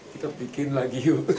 kita bikin lagi yuk